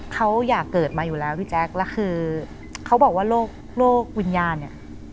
เขาอยากเกิดมาอยู่แล้วพี่แจ๊คแล้วคือเขาบอกว่าโรควิญญาณเนี่ย